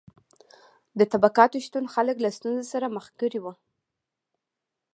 د طبقاتو شتون خلک له ستونزو سره مخ کړي وو.